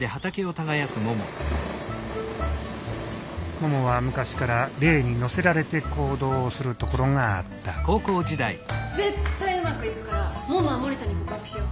ももは昔から玲に乗せられて行動をするところがあった絶対うまくいくからももは森田に告白しよう！